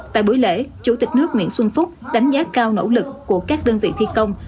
tại buổi lễ chủ tịch nước nguyễn xuân phúc đánh giá cao nỗ lực của các đơn vị thi công